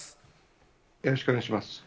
よろしくお願いします。